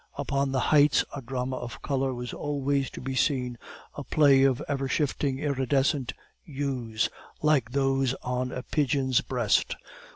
Upon the heights a drama of color was always to be seen, a play of ever shifting iridescent hues like those on a pigeon's breast.